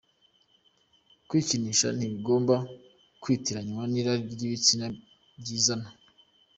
Kwikinisha ntibigomba kwitiranywa n’irari ry’ibitsina ryizana.